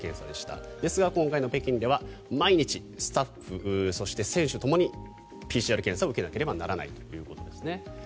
ですが今回の北京では毎日、選手、スタッフともにＰＣＲ検査を受けなければならないということです。